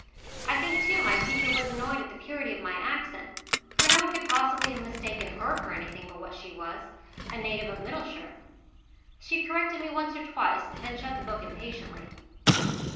I think, too, my teacher was annoyed at the purity of my accent, for no one could possibly have mistaken her for anything but what she was a native of Middleshire. She corrected me once or twice, then shut the book impatiently.